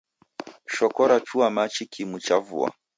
Shoko rachua machi kimu cha vua.